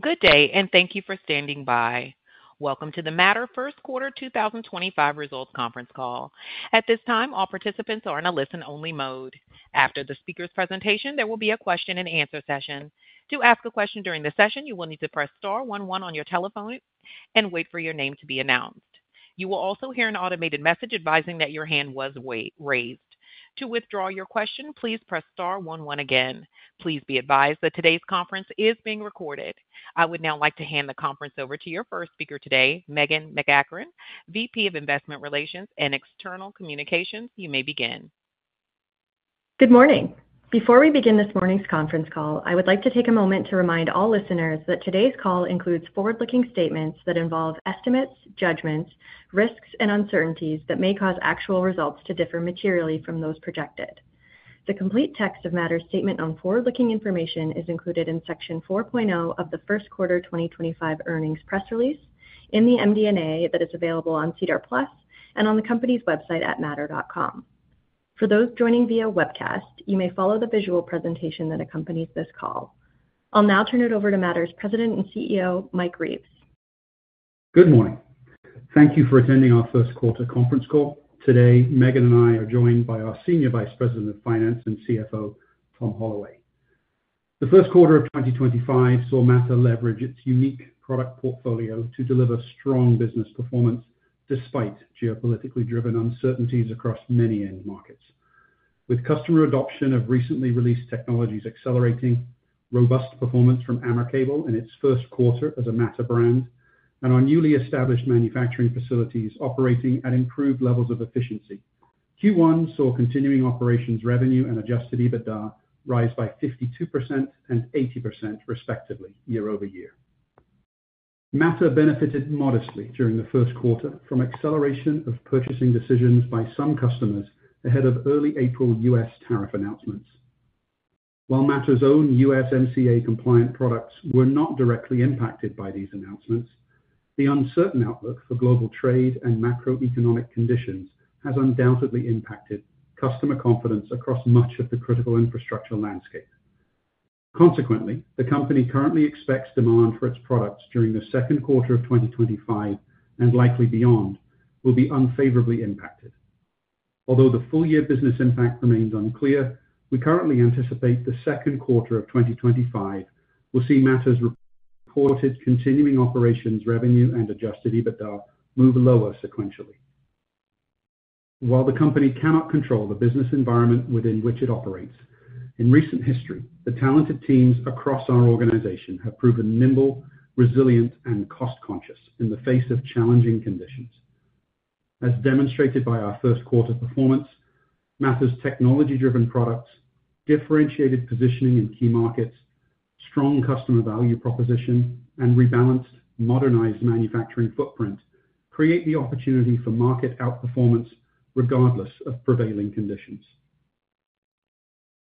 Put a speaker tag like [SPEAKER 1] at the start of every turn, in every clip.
[SPEAKER 1] Good day, and thank you for standing by. Welcome to the Mattr First Quarter 2025 Results Conference Call. At this time, all participants are in a listen-only mode. After the speaker's presentation, there will be a question-and-answer session. To ask a question during the session, you will need to press star one one on your telephone and wait for your name to be announced. You will also hear an automated message advising that your hand was raised. To withdraw your question, please press star one one again. Please be advised that today's conference is being recorded. I would now like to hand the conference over to your first speaker today, Meghan MacEachern, VP of Investment Relations and External Communications. You may begin.
[SPEAKER 2] Good morning. Before we begin this morning's conference call, I would like to take a moment to remind all listeners that today's call includes forward-looking statements that involve estimates, judgments, risks, and uncertainties that may cause actual results to differ materially from those projected. The complete text of Mattr's statement on forward-looking information is included in Section 4.0 of the First Quarter 2025 Earnings Press Release in the MD&A that is available on SEDAR Plus and on the company's website at mattr.com. For those joining via webcast, you may follow the visual presentation that accompanies this call. I'll now turn it over to Mattr's President and CEO, Mike Reeves.
[SPEAKER 3] Good morning. Thank you for attending our First Quarter Conference Call. Today, Meghan and I are joined by our Senior Vice President of Finance and CFO, Tom Holloway. The first quarter of 2025 saw Mattr leverage its unique product portfolio to deliver strong business performance despite geopolitically driven uncertainties across many end markets. With customer adoption of recently released technologies accelerating, robust performance from AmerCable in its first quarter as a Mattr brand, and our newly established manufacturing facilities operating at improved levels of efficiency, Q1 saw continuing operations revenue and adjusted EBITDA rise by 52% and 80% respectively, year-over-year. Mattr benefited modestly during the first quarter from acceleration of purchasing decisions by some customers ahead of early April U.S. tariff announcements. While Mattr's own USMCA-compliant products were not directly impacted by these announcements, the uncertain outlook for global trade and macroeconomic conditions has undoubtedly impacted customer confidence across much of the critical infrastructure landscape. Consequently, the company currently expects demand for its products during the second quarter of 2025 and likely beyond will be unfavorably impacted. Although the full-year business impact remains unclear, we currently anticipate the second quarter of 2025 will see Mattr's reported continuing operations revenue and adjusted EBITDA move lower sequentially. While the company cannot control the business environment within which it operates, in recent history, the talented teams across our organization have proven nimble, resilient, and cost-conscious in the face of challenging conditions. As demonstrated by our first quarter performance, Mattr's technology-driven products, differentiated positioning in key markets, strong customer value proposition, and rebalanced, modernized manufacturing footprint create the opportunity for market outperformance regardless of prevailing conditions.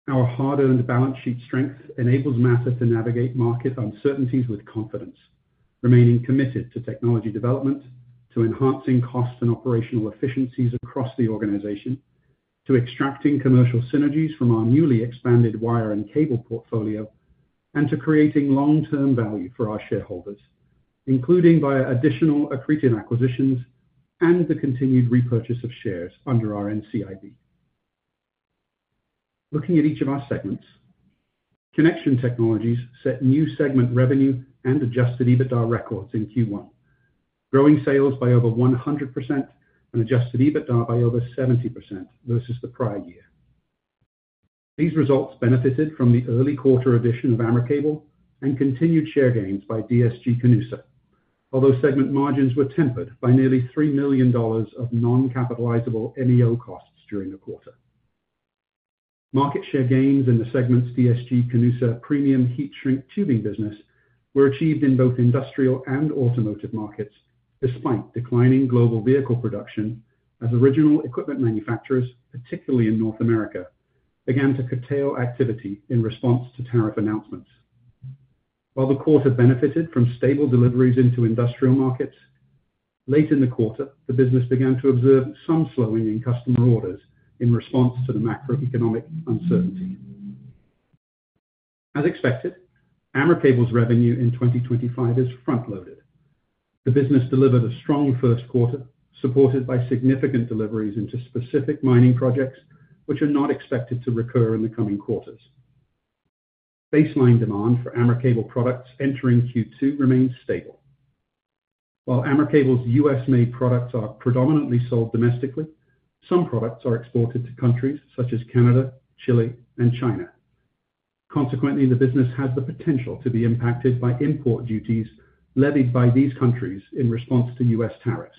[SPEAKER 3] Our hard-earned balance sheet strength enables Mattr to navigate market uncertainties with confidence, remaining committed to technology development, to enhancing cost and operational efficiencies across the organization, to extracting commercial synergies from our newly expanded wire and cable portfolio, and to creating long-term value for our shareholders, including via additional accretive acquisitions and the continued repurchase of shares under our NCIB. Looking at each of our segments, Connection Technologies set new segment revenue and adjusted EBITDA records in Q1, growing sales by over 100% and adjusted EBITDA by over 70% versus the prior year. These results benefited from the early quarter addition of AmerCable and continued share gains by DSG-Canusa, although segment margins were tempered by nearly 3 million dollars of non-capitalizable MEO costs during the quarter. Market share gains in the segments DSG-Canusa premium heat-shrink tubing business were achieved in both industrial and automotive markets despite declining global vehicle production as original equipment manufacturers, particularly in North America, began to curtail activity in response to tariff announcements. While the quarter benefited from stable deliveries into industrial markets, late in the quarter, the business began to observe some slowing in customer orders in response to the macroeconomic uncertainty. As expected, AmerCable's revenue in 2025 is front-loaded. The business delivered a strong first quarter supported by significant deliveries into specific mining projects, which are not expected to recur in the coming quarters. Baseline demand for AmerCable products entering Q2 remains stable. While AmerCable's U.S.-made products are predominantly sold domestically, some products are exported to countries such as Canada, Chile, and China. Consequently, the business has the potential to be impacted by import duties levied by these countries in response to U.S. tariffs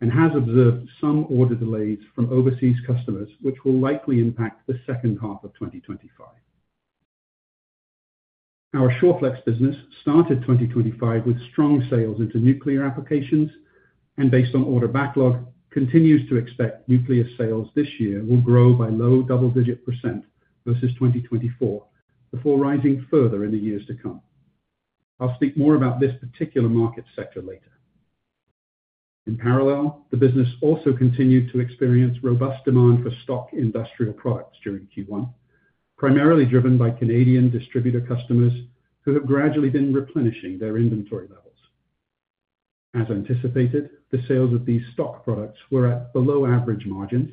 [SPEAKER 3] and has observed some order delays from overseas customers, which will likely impact the second half of 2025. Our Shawflex business started 2025 with strong sales into nuclear applications and, based on order backlog, continues to expect nuclear sales this year will grow by low double-digit % versus 2024 before rising further in the years to come. I'll speak more about this particular market sector later. In parallel, the business also continued to experience robust demand for stock industrial products during Q1, primarily driven by Canadian distributor customers who have gradually been replenishing their inventory levels. As anticipated, the sales of these stock products were at below-average margins,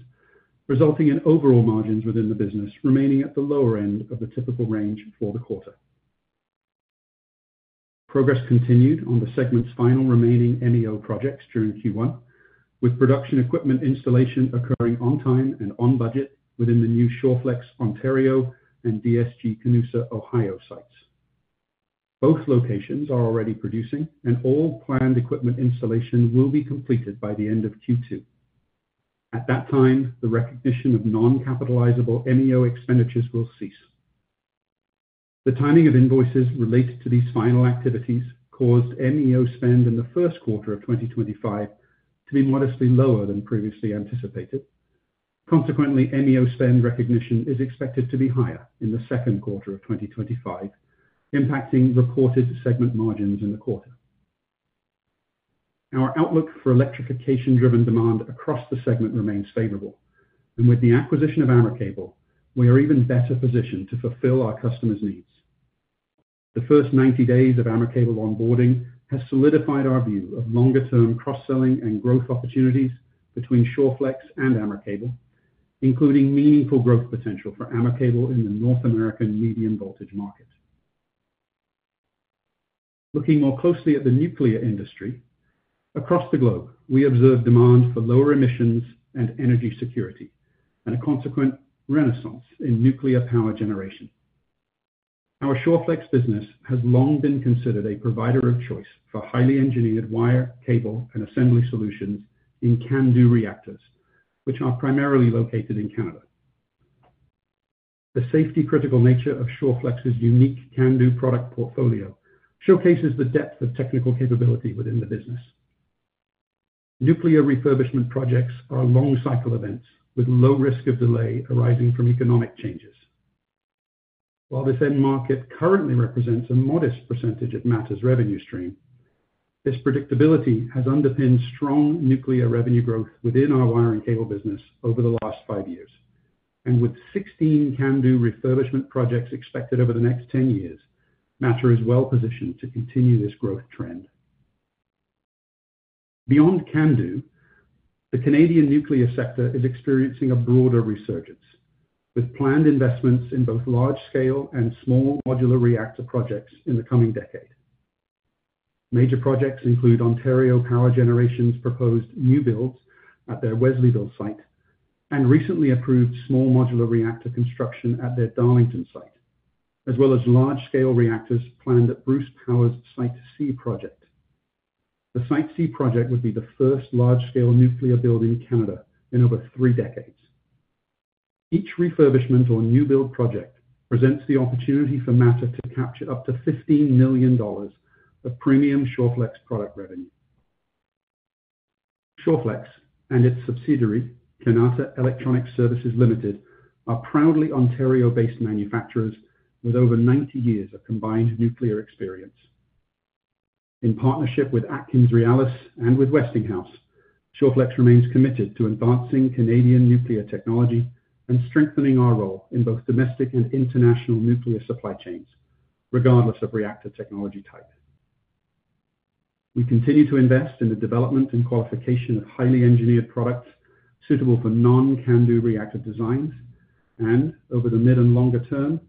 [SPEAKER 3] resulting in overall margins within the business remaining at the lower end of the typical range for the quarter. Progress continued on the segment's final remaining MEO projects during Q1, with production equipment installation occurring on time and on budget within the new Shawflex, Ontario, and DSG-Canusa, Ohio sites. Both locations are already producing, and all planned equipment installation will be completed by the end of Q2. At that time, the recognition of non-capitalizable MEO expenditures will cease. The timing of invoices related to these final activities caused MEO spend in the first quarter of 2025 to be modestly lower than previously anticipated. Consequently, MEO spend recognition is expected to be higher in the second quarter of 2025, impacting reported segment margins in the quarter. Our outlook for electrification-driven demand across the segment remains favorable, and with the acquisition of AmerCable, we are even better positioned to fulfill our customers' needs. The first 90 days of AmerCable onboarding have solidified our view of longer-term cross-selling and growth opportunities between Shawflex and AmerCable, including meaningful growth potential for AmerCable in the North American medium-voltage market. Looking more closely at the nuclear industry, across the globe, we observe demand for lower emissions and energy security and a consequent renaissance in nuclear power generation. Our Shawflex business has long been considered a provider of choice for highly engineered wire, cable, and assembly solutions in CANDU reactors, which are primarily located in Canada. The safety-critical nature of Shawflex's unique CANDU product portfolio showcases the depth of technical capability within the business. Nuclear refurbishment projects are long-cycle events with low risk of delay arising from economic changes. While this end market currently represents a modest percentage of Mattr's revenue stream, this predictability has underpinned strong nuclear revenue growth within our wire and cable business over the last five years. With 16 CANDU refurbishment projects expected over the next 10 years, Mattr is well positioned to continue this growth trend. Beyond CANDU, the Canadian nuclear sector is experiencing a broader resurgence, with planned investments in both large-scale and small modular reactor projects in the coming decade. Major projects include Ontario Power Generation's proposed new builds at their Wesleyville site and recently approved small modular reactor construction at their Darlington site, as well as large-scale reactors planned at Bruce Power's Site C project. The Site C project would be the first large-scale nuclear build in Canada in over three decades. Each refurbishment or new build project presents the opportunity for Mattr to capture up to 15 million dollars of premium Shawflex product revenue. Shawflex and its subsidiary, Kanata Electronic Services Limited, are proudly Ontario-based manufacturers with over 90 years of combined nuclear experience. In partnership with AtkinsRéalis and with Westinghouse, Shawflex remains committed to advancing Canadian nuclear technology and strengthening our role in both domestic and international nuclear supply chains, regardless of reactor technology type. We continue to invest in the development and qualification of highly engineered products suitable for non-CANDU reactor designs, and over the mid and longer term,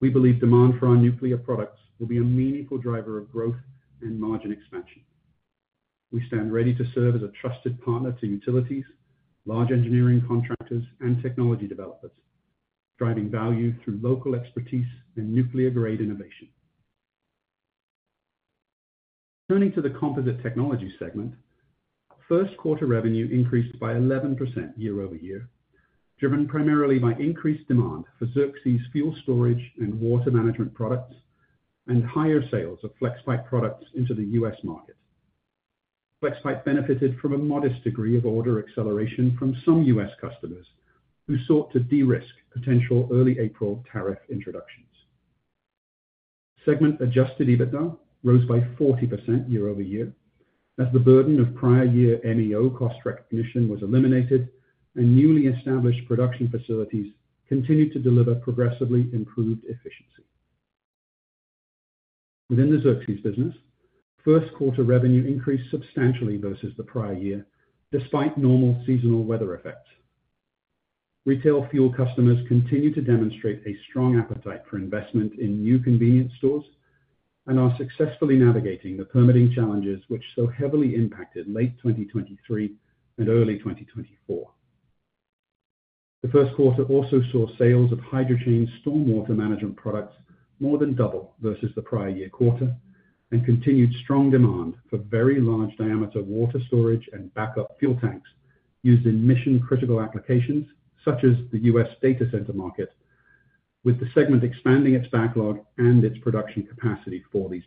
[SPEAKER 3] we believe demand for our nuclear products will be a meaningful driver of growth and margin expansion. We stand ready to serve as a trusted partner to utilities, large engineering contractors, and technology developers, driving value through local expertise and nuclear-grade innovation. Turning to the composite technology segment, first quarter revenue increased by 11% year-over-year, driven primarily by increased demand for Xerxes fuel storage and water management products and higher sales of Flexpipe products into the U.S. market. Flexpipe benefited from a modest degree of order acceleration from some U.S. customers who sought to de-risk potential early April tariff introductions. Segment adjusted EBITDA rose by 40% year-over-year as the burden of prior year MEO cost recognition was eliminated, and newly established production facilities continued to deliver progressively improved efficiency. Within the Xerxes business, first quarter revenue increased substantially versus the prior year despite normal seasonal weather effects. Retail fuel customers continue to demonstrate a strong appetite for investment in new convenience stores and are successfully navigating the permitting challenges which so heavily impacted late 2023 and early 2024. The first quarter also saw sales of hydrogen stormwater management products more than double versus the prior year quarter and continued strong demand for very large diameter water storage and backup fuel tanks used in mission-critical applications such as the U.S. data center market, with the segment expanding its backlog and its production capacity for these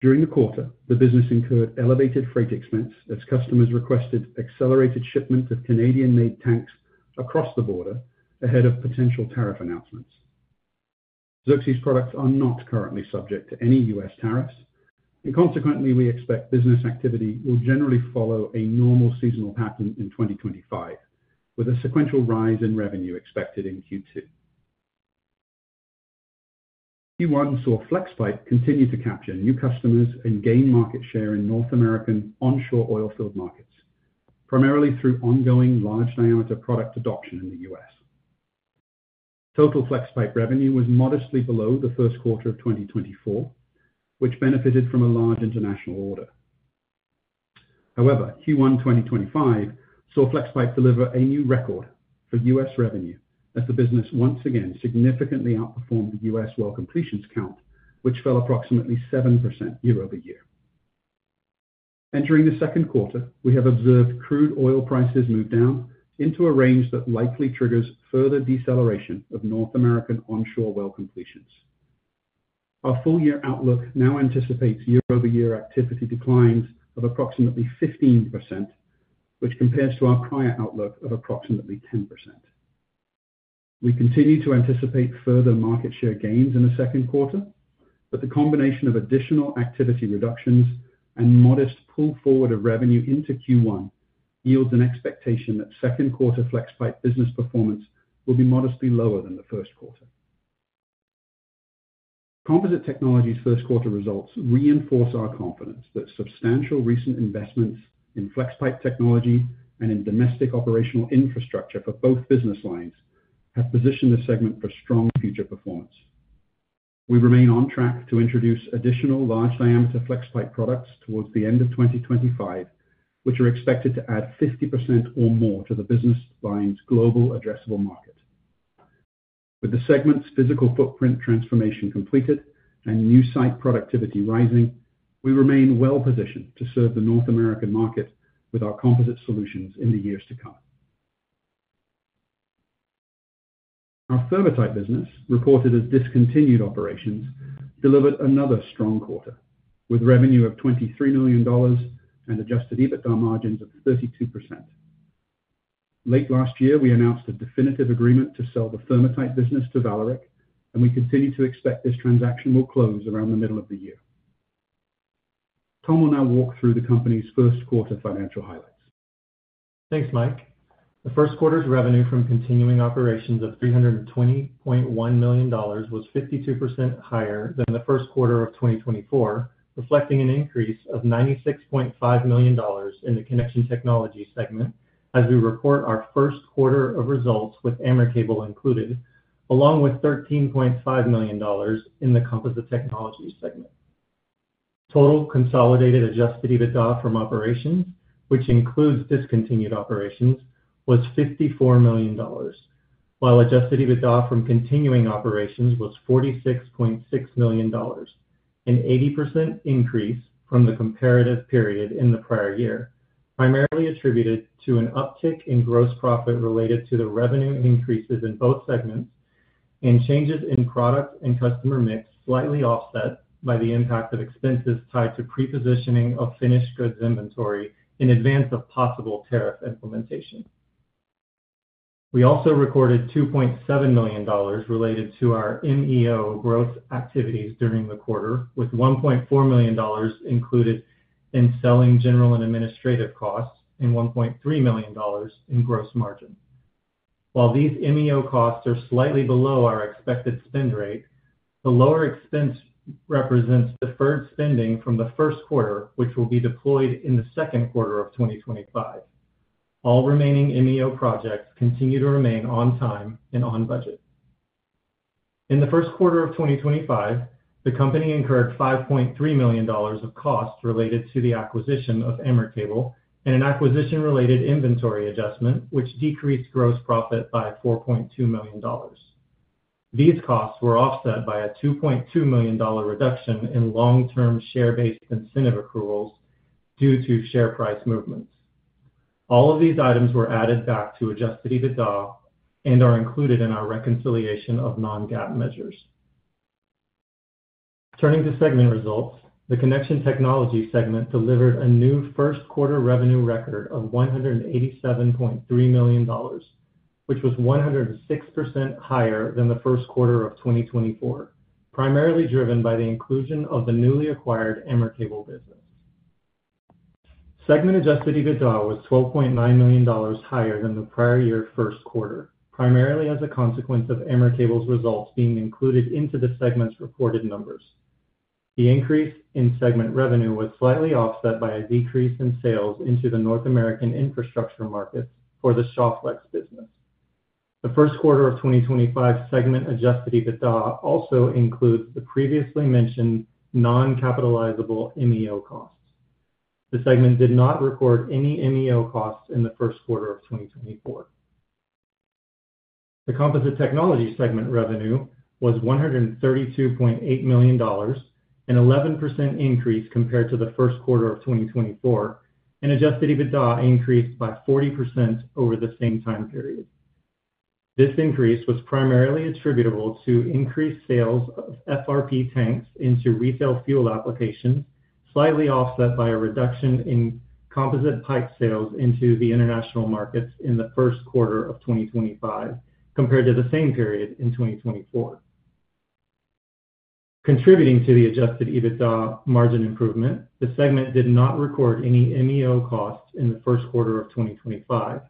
[SPEAKER 3] products. During the quarter, the business incurred elevated freight expense as customers requested accelerated shipment of Canadian-made tanks across the border ahead of potential tariff announcements. Xerxes products are not currently subject to any U.S. tariffs, and consequently, we expect business activity will generally follow a normal seasonal pattern in 2025, with a sequential rise in revenue expected in Q2. Q1 saw Flexpipe continue to capture new customers and gain market share in North American onshore oilfield markets, primarily through ongoing large diameter product adoption in the U.S. Total Flexpipe revenue was modestly below the first quarter of 2024, which benefited from a large international order. However, Q1 2025 saw Flexpipe deliver a new record for U.S. revenue as the business once again significantly outperformed the U.S. well completions count, which fell approximately 7% year-over-year. Entering the second quarter, we have observed crude oil prices move down into a range that likely triggers further deceleration of North American onshore well completions. Our full-year outlook now anticipates year-over-year activity declines of approximately 15%, which compares to our prior outlook of approximately 10%. We continue to anticipate further market share gains in the second quarter, but the combination of additional activity reductions and modest pull forward of revenue into Q1 yields an expectation that second quarter Flexpipe business performance will be modestly lower than the first quarter. Composite Technologies' first quarter results reinforce our confidence that substantial recent investments in Flexpipe technology and in domestic operational infrastructure for both business lines have positioned the segment for strong future performance. We remain on track to introduce additional large diameter Flexpipe products towards the end of 2025, which are expected to add 50% or more to the business line's global addressable market. With the segment's physical footprint transformation completed and new site productivity rising, we remain well positioned to serve the North American market with our composite solutions in the years to come. Our THERM-O-TYPE business, reported as discontinued operations, delivered another strong quarter with revenue of 23 million dollars and adjusted EBITDA margins of 32%. Late last year, we announced a definitive agreement to sell the THERM-O-TYPE business to Valcore, and we continue to expect this transaction will close around the middle of the year. Tom will now walk through the company's first quarter financial highlights.
[SPEAKER 4] Thanks, Mike. The first quarter's revenue from continuing operations of 320.1 million dollars was 52% higher than the first quarter of 2024, reflecting an increase of 96.5 million dollars in the connection technology segment as we report our first quarter of results with AmerCable included, along with 13.5 million dollars in the composite technology segment. Total consolidated adjusted EBITDA from operations, which includes discontinued operations, was 54 million dollars, while adjusted EBITDA from continuing operations was 46.6 million dollars, an 80% increase from the comparative period in the prior year, primarily attributed to an uptick in gross profit related to the revenue increases in both segments and changes in product and customer mix slightly offset by the impact of expenses tied to pre-positioning of finished goods inventory in advance of possible tariff implementation. We also recorded 2.7 million dollars related to our MEO growth activities during the quarter, with 1.4 million dollars included in selling, general, and administrative costs and 1.3 million dollars in gross margin. While these MEO costs are slightly below our expected spend rate, the lower expense represents deferred spending from the first quarter, which will be deployed in the second quarter of 2025. All remaining MEO projects continue to remain on time and on budget. In the first quarter of 2025, the company incurred 5.3 million dollars of costs related to the acquisition of AmerCable and an acquisition-related inventory adjustment, which decreased gross profit by 4.2 million dollars. These costs were offset by a 2.2 million dollar reduction in long-term share-based incentive accruals due to share price movements. All of these items were added back to adjusted EBITDA and are included in our reconciliation of non-GAAP measures. Turning to segment results, the Connection Technologies segment delivered a new first quarter revenue record of 187.3 million dollars, which was 106% higher than the first quarter of 2024, primarily driven by the inclusion of the newly acquired AmerCable business. Segment adjusted EBITDA was 12.9 million dollars higher than the prior year first quarter, primarily as a consequence of AmerCable's results being included into the segment's reported numbers. The increase in segment revenue was slightly offset by a decrease in sales into the North American infrastructure markets for the Shawflex business. The first quarter of 2025 segment adjusted EBITDA also includes the previously mentioned non-capitalizable MEO costs. The segment did not record any MEO costs in the first quarter of 2024. The Composite Technologies segment revenue was 132.8 million dollars, an 11% increase compared to the first quarter of 2024, and adjusted EBITDA increased by 40% over the same time period. This increase was primarily attributable to increased sales of FRP tanks into retail fuel applications, slightly offset by a reduction in composite pipe sales into the international markets in the first quarter of 2025 compared to the same period in 2024. Contributing to the adjusted EBITDA margin improvement, the segment did not record any MEO costs in the first quarter of 2025,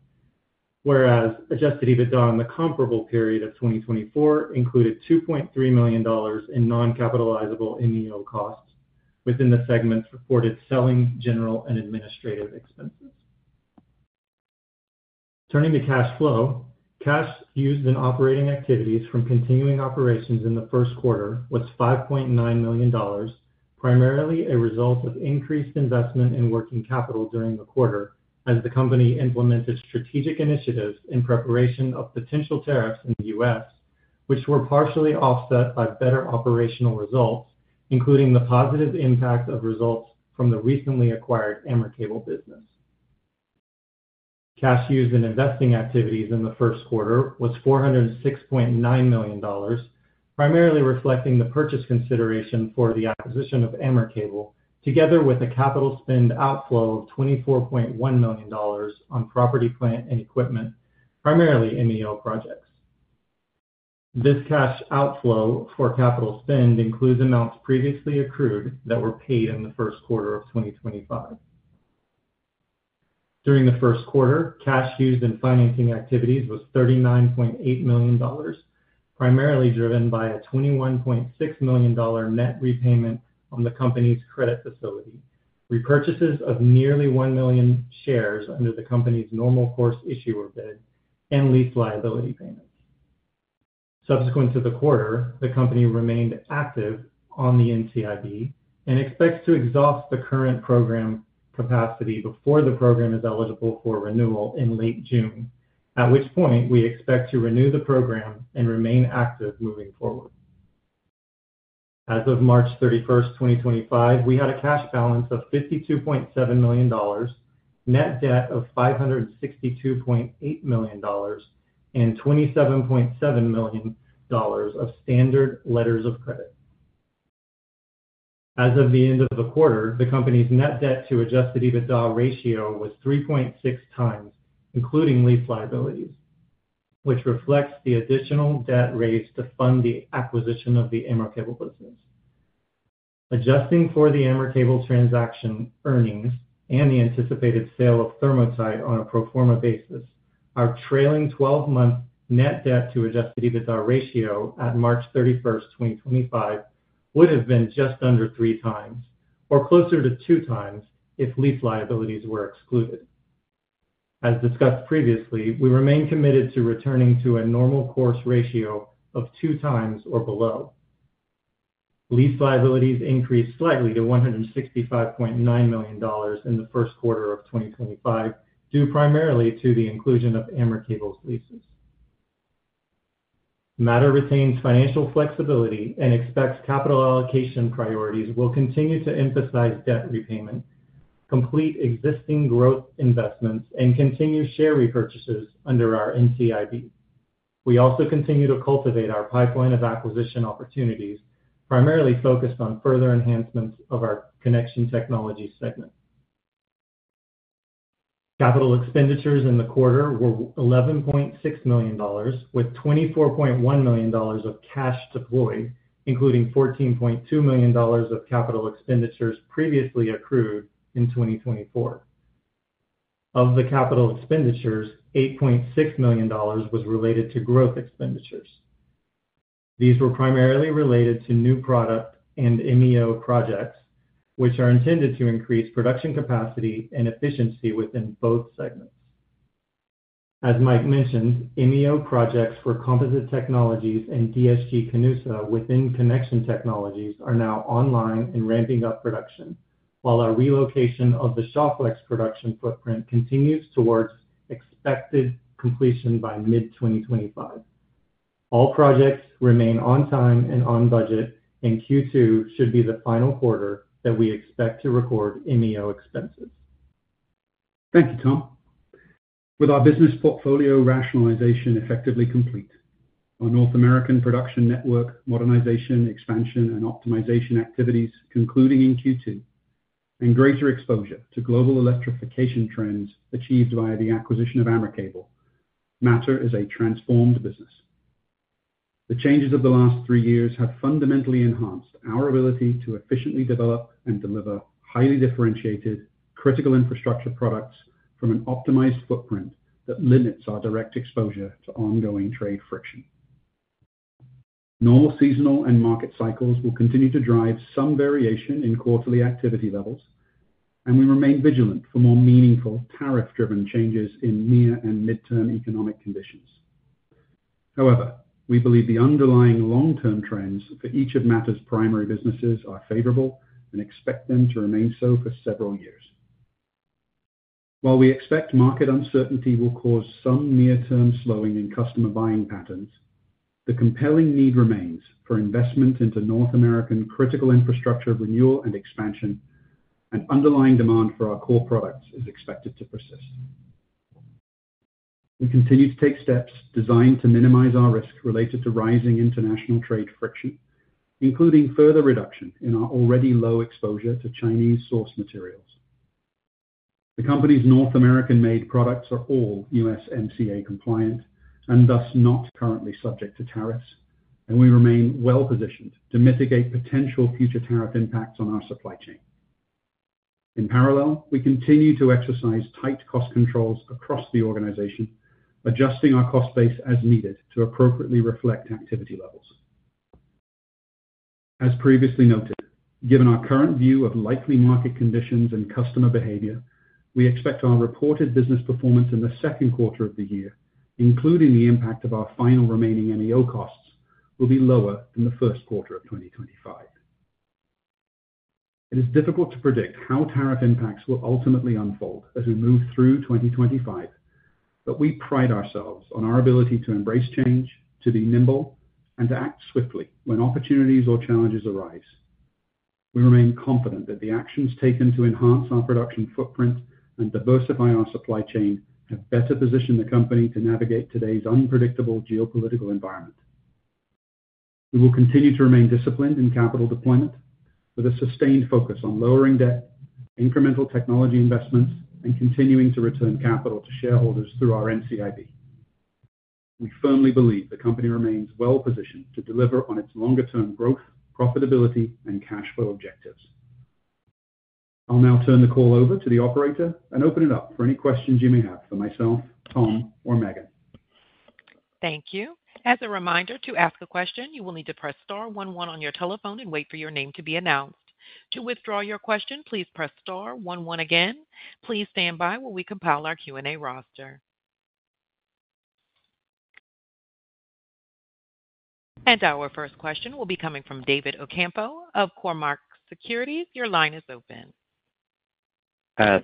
[SPEAKER 4] whereas adjusted EBITDA in the comparable period of 2024 included 2.3 million dollars in non-capitalizable MEO costs within the segment's reported selling general and administrative expenses. Turning to cash flow, cash used in operating activities from continuing operations in the first quarter was 5.9 million dollars, primarily a result of increased investment in working capital during the quarter as the company implemented strategic initiatives in preparation of potential tariffs in the U.S., which were partially offset by better operational results, including the positive impact of results from the recently acquired AmerCable business. Cash used in investing activities in the first quarter was 406.9 million dollars, primarily reflecting the purchase consideration for the acquisition of AmerCable, together with a capital spend outflow of 24.1 million dollars on property, plant, and equipment, primarily MEO projects. This cash outflow for capital spend includes amounts previously accrued that were paid in the first quarter of 2025. During the first quarter, cash used in financing activities was 39.8 million dollars, primarily driven by a 21.6 million dollar net repayment on the company's credit facility, repurchases of nearly 1 million shares under the company's normal course issuer bid, and lease liability payments. Subsequent to the quarter, the company remained active on the NCIB and expects to exhaust the current program capacity before the program is eligible for renewal in late June, at which point we expect to renew the program and remain active moving forward. As of March 31, 2025, we had a cash balance of 52.7 million dollars, net debt of 562.8 million dollars, and 27.7 million dollars of standard letters of credit. As of the end of the quarter, the company's net debt to adjusted EBITDA ratio was 3.6 times, including lease liabilities, which reflects the additional debt raised to fund the acquisition of the AmerCable business. Adjusting for the AmerCable transaction earnings and the anticipated sale of THERM-O-TYPE on a pro forma basis, our trailing 12-month net debt to adjusted EBITDA ratio at March 31, 2025, would have been just under three times or closer to two times if lease liabilities were excluded. As discussed previously, we remain committed to returning to a normal course ratio of two times or below. Lease liabilities increased slightly to 165.9 million dollars in the first quarter of 2025 due primarily to the inclusion of AmerCable's leases. Mattr retains financial flexibility and expects capital allocation priorities will continue to emphasize debt repayment, complete existing growth investments, and continue share repurchases under our NCIB. We also continue to cultivate our pipeline of acquisition opportunities, primarily focused on further enhancements of our Connection Technologies segment. Capital expenditures in the quarter were 11.6 million dollars, with 24.1 million dollars of cash deployed, including 14.2 million dollars of capital expenditures previously accrued in 2024. Of the capital expenditures, 8.6 million dollars was related to growth expenditures. These were primarily related to new product and MEO projects, which are intended to increase production capacity and efficiency within both segments. As Mike mentioned, MEO projects for composite technologies and DSG-Canusa within connection technologies are now online and ramping up production, while our relocation of the Shawflex production footprint continues towards expected completion by mid-2025. All projects remain on time and on budget, and Q2 should be the final quarter that we expect to record MEO expenses.
[SPEAKER 3] Thank you, Tom. With our business portfolio rationalization effectively complete, our North American production network modernization, expansion, and optimization activities concluding in Q2, and greater exposure to global electrification trends achieved via the acquisition of AmerCable, Mattr is a transformed business. The changes of the last three years have fundamentally enhanced our ability to efficiently develop and deliver highly differentiated, critical infrastructure products from an optimized footprint that limits our direct exposure to ongoing trade friction. Normal seasonal and market cycles will continue to drive some variation in quarterly activity levels, and we remain vigilant for more meaningful tariff-driven changes in near and midterm economic conditions. However, we believe the underlying long-term trends for each of Mattr's primary businesses are favorable and expect them to remain so for several years. While we expect market uncertainty will cause some near-term slowing in customer buying patterns, the compelling need remains for investment into North American critical infrastructure renewal and expansion, and underlying demand for our core products is expected to persist. We continue to take steps designed to minimize our risk related to rising international trade friction, including further reduction in our already low exposure to Chinese source materials. The company's North American-made products are all USMCA compliant and thus not currently subject to tariffs, and we remain well positioned to mitigate potential future tariff impacts on our supply chain. In parallel, we continue to exercise tight cost controls across the organization, adjusting our cost base as needed to appropriately reflect activity levels. As previously noted, given our current view of likely market conditions and customer behavior, we expect our reported business performance in the second quarter of the year, including the impact of our final remaining MEO costs, will be lower than the first quarter of 2025. It is difficult to predict how tariff impacts will ultimately unfold as we move through 2025, but we pride ourselves on our ability to embrace change, to be nimble, and to act swiftly when opportunities or challenges arise. We remain confident that the actions taken to enhance our production footprint and diversify our supply chain have better positioned the company to navigate today's unpredictable geopolitical environment. We will continue to remain disciplined in capital deployment, with a sustained focus on lowering debt, incremental technology investments, and continuing to return capital to shareholders through our NCIB. We firmly believe the company remains well positioned to deliver on its longer-term growth, profitability, and cash flow objectives. I'll now turn the call over to the operator and open it up for any questions you may have for myself, Tom, or Meghan.
[SPEAKER 1] Thank you. As a reminder, to ask a question, you will need to press star one one on your telephone and wait for your name to be announced. To withdraw your question, please press star one one again. Please stand by while we compile our Q&A roster. Our first question will be coming from David Ocampo of Cormark Securities. Your line is open.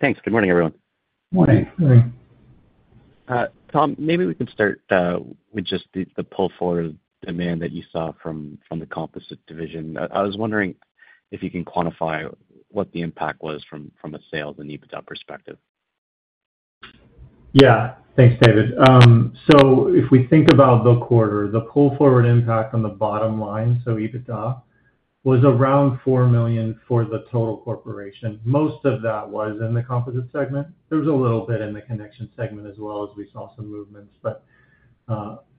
[SPEAKER 5] Thanks. Good morning, everyone.
[SPEAKER 3] Morning.
[SPEAKER 5] Tom, maybe we could start with just the pull forward of the demand that you saw from the composite division. I was wondering if you can quantify what the impact was from a sales and EBITDA perspective.
[SPEAKER 4] Yeah. Thanks, David. If we think about the quarter, the pull forward impact on the bottom line, so EBITDA, was around 4 million for the total corporation. Most of that was in the composite segment. There was a little bit in the connection segment as well, as we saw some movements, but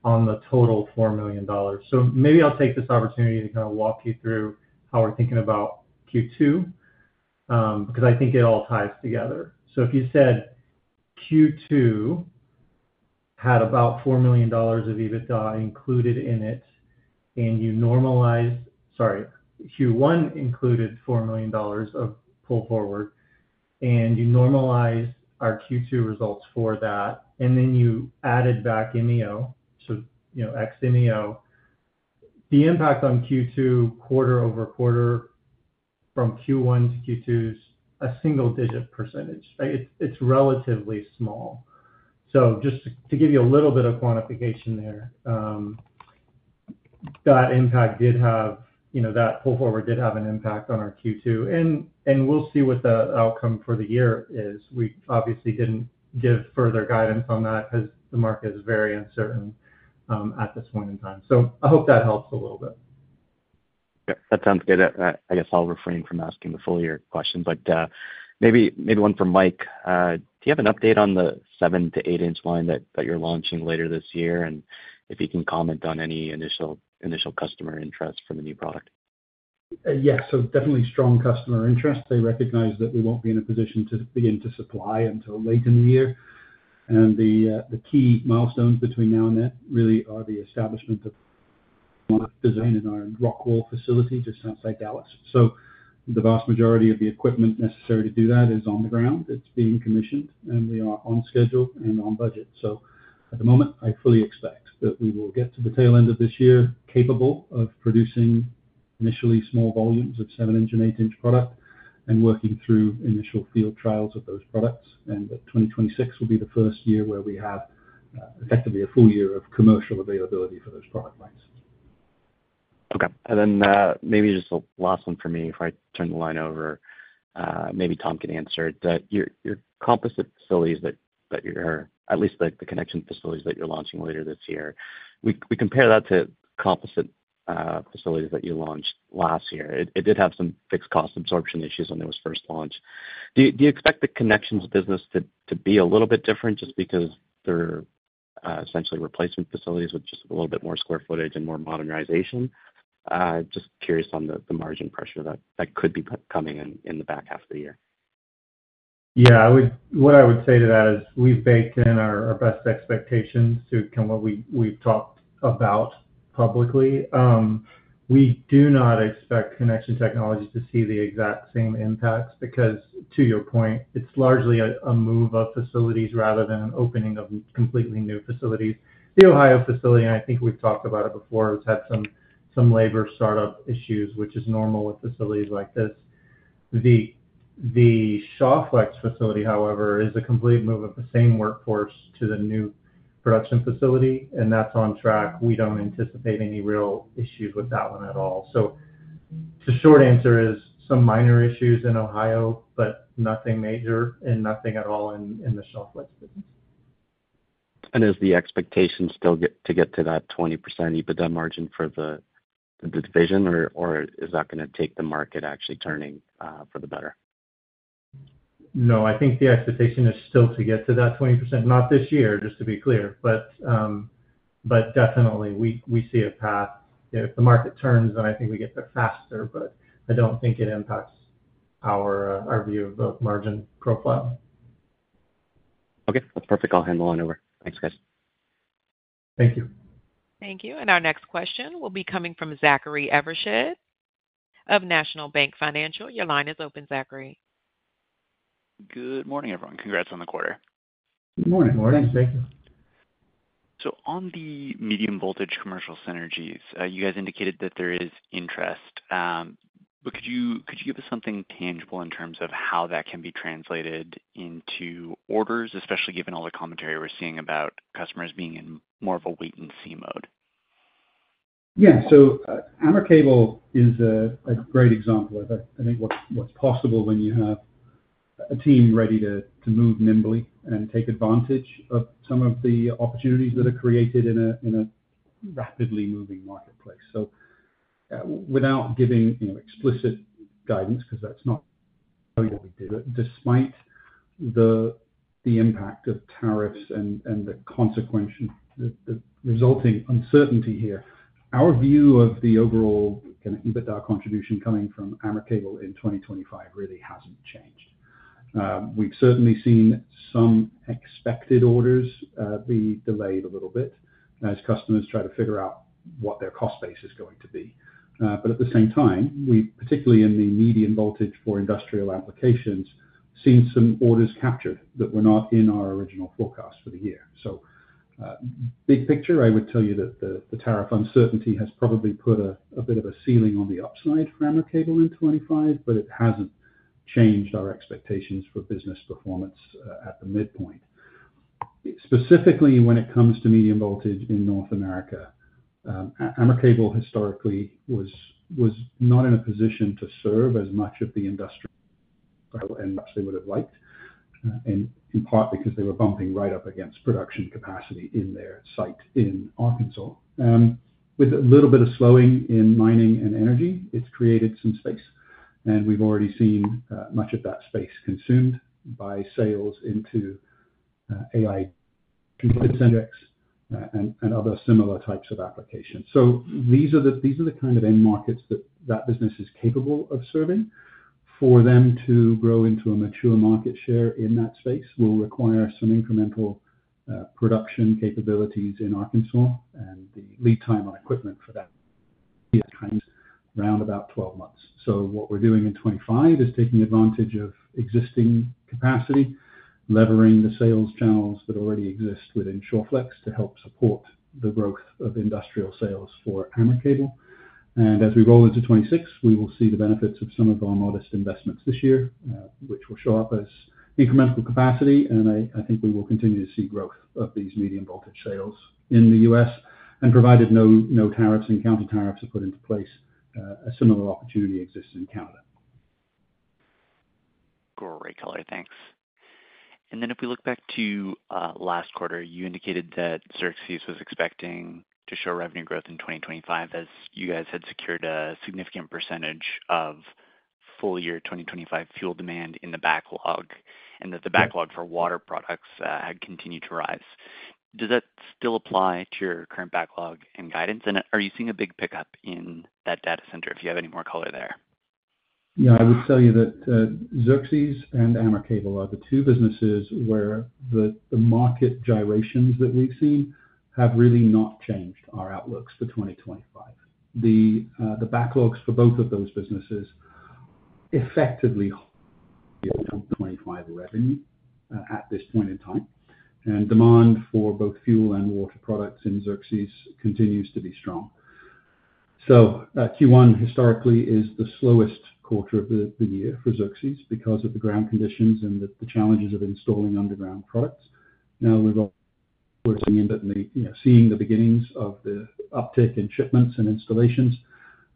[SPEAKER 4] on the total 4 million dollars. Maybe I'll take this opportunity to kind of walk you through how we're thinking about Q2 because I think it all ties together. If you said Q2 had about 4 million dollars of EBITDA included in it, and you normalized—sorry, Q1 included 4 million dollars of pull forward, and you normalized our Q2 results for that, and then you added back MEO, so ex-MEO, the impact on Q2 quarter over quarter from Q1 to Q2 is a single-digit percent. It's relatively small. Just to give you a little bit of quantification there, that impact did have—that pull forward did have an impact on our Q2, and we'll see what the outcome for the year is. We obviously did not give further guidance on that because the market is very uncertain at this point in time. I hope that helps a little bit.
[SPEAKER 5] Yeah. That sounds good. I guess I'll refrain from asking the full year question, but maybe one for Mike. Do you have an update on the 7-8 inch line that you're launching later this year, and if you can comment on any initial customer interest from the new product?
[SPEAKER 3] Yes. Definitely strong customer interest. They recognize that we will not be in a position to begin to supply until late in the year. The key milestones between now and then really are the establishment of our design and our rock wall facility just outside Dallas. The vast majority of the equipment necessary to do that is on the ground. It is being commissioned, and we are on schedule and on budget. At the moment, I fully expect that we will get to the tail end of this year capable of producing initially small volumes of 7-inch and 8-inch product and working through initial field trials of those products. 2026 will be the first year where we have effectively a full year of commercial availability for those product lines.
[SPEAKER 5] Okay. Maybe just a last one for me. If I turn the line over, maybe Tom can answer it. Your composite facilities that you're—at least the connection facilities that you're launching later this year, we compare that to composite facilities that you launched last year. It did have some fixed cost absorption issues when it was first launched. Do you expect the connections business to be a little bit different just because they're essentially replacement facilities with just a little bit more square footage and more modernization? Just curious on the margin pressure that could be coming in the back half of the year.
[SPEAKER 4] Yeah. What I would say to that is we've baked in our best expectations to kind of what we've talked about publicly. We do not expect connection technology to see the exact same impacts because, to your point, it's largely a move of facilities rather than an opening of completely new facilities. The Ohio facility, and I think we've talked about it before, has had some labor startup issues, which is normal with facilities like this. The Shawflex facility, however, is a complete move of the same workforce to the new production facility, and that's on track. We don't anticipate any real issues with that one at all. The short answer is some minor issues in Ohio, but nothing major and nothing at all in the Shawflex business.
[SPEAKER 5] Is the expectation still to get to that 20% EBITDA margin for the division, or is that going to take the market actually turning for the better?
[SPEAKER 4] No. I think the expectation is still to get to that 20%, not this year, just to be clear. Definitely, we see a path. If the market turns, then I think we get there faster, but I do not think it impacts our view of the margin profile.
[SPEAKER 5] Okay. That is perfect. I will hand the line over. Thanks, guys.
[SPEAKER 4] Thank you.
[SPEAKER 1] Thank you. Our next question will be coming from Zachary Evershed of National Bank Financial. Your line is open, Zachary.
[SPEAKER 6] Good morning, everyone. Congrats on the quarter.
[SPEAKER 4] Good morning.
[SPEAKER 3] Morning. Thank you.
[SPEAKER 6] On the medium-voltage commercial synergies, you guys indicated that there is interest. Could you give us something tangible in terms of how that can be translated into orders, especially given all the commentary we are seeing about customers being in more of a wait-and-see mode?
[SPEAKER 3] Yeah. AmerCable is a great example of, I think, what is possible when you have a team ready to move nimbly and take advantage of some of the opportunities that are created in a rapidly moving marketplace. Without giving explicit guidance, because that's not how we do it, despite the impact of tariffs and the resulting uncertainty here, our view of the overall kind of EBITDA contribution coming from AmerCable in 2025 really has not changed. We have certainly seen some expected orders be delayed a little bit as customers try to figure out what their cost base is going to be. At the same time, we have, particularly in the medium-voltage for industrial applications, seen some orders captured that were not in our original forecast for the year. Big picture, I would tell you that the tariff uncertainty has probably put a bit of a ceiling on the upside for AmerCable in 2025, but it has not changed our expectations for business performance at the midpoint. Specifically, when it comes to medium-voltage in North America, AmerCable historically was not in a position to serve as much of the industrial and actually would have liked, in part because they were bumping right up against production capacity in their site in Arkansas. With a little bit of slowing in mining and energy, it has created some space, and we have already seen much of that space consumed by sales into AI-controlled synergics and other similar types of applications. These are the kind of end markets that that business is capable of serving. For them to grow into a mature market share in that space will require some incremental production capabilities in Arkansas and the lead time on equipment for that time is around about 12 months. What we are doing in 2025 is taking advantage of existing capacity, leveraging the sales channels that already exist within Shawflex to help support the growth of industrial sales for AmerCable. As we roll into 2026, we will see the benefits of some of our modest investments this year, which will show up as incremental capacity, and I think we will continue to see growth of these medium-voltage sales in the U.S., provided no tariffs and counter-tariffs are put into place. A similar opportunity exists in Canada.
[SPEAKER 6] Great color. Thanks. If we look back to last quarter, you indicated that Xerxes was expecting to show revenue growth in 2025 as you guys had secured a significant percentage of full-year 2025 fuel demand in the backlog, and that the backlog for water products had continued to rise. Does that still apply to your current backlog and guidance? Are you seeing a big pickup in that data center, if you have any more color there?
[SPEAKER 3] Yeah. I would tell you that Xerxes and AmerCable are the two businesses where the market gyrations that we've seen have really not changed our outlooks for 2025. The backlogs for both of those businesses effectively are down to 2025 revenue at this point in time, and demand for both fuel and water products in Xerxes continues to be strong. Q1 historically is the slowest quarter of the year for Xerxes because of the ground conditions and the challenges of installing underground products. Now, we're seeing the beginnings of the uptick in shipments and installations.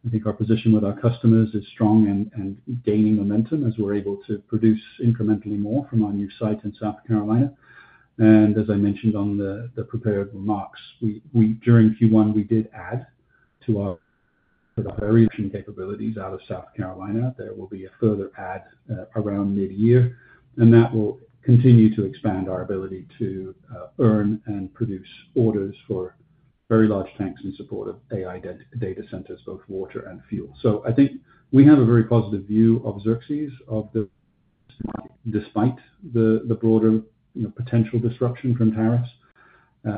[SPEAKER 3] I think our position with our customers is strong and gaining momentum as we're able to produce incrementally more from our new site in South Carolina. As I mentioned on the prepared remarks, during Q1, we did add to our production capabilities out of South Carolina. There will be a further add around mid-year, and that will continue to expand our ability to earn and produce orders for very large tanks in support of AI data centers, both water and fuel. I think we have a very positive view of Xerxes despite the broader potential disruption from tariffs,